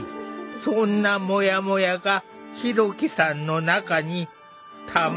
そんなモヤモヤがひろきさんの中にたまっていった。